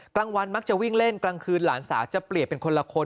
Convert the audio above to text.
กลางวันมักจะวิ่งเล่นกลางคืนหลานสาวจะเปลี่ยนเป็นคนละคน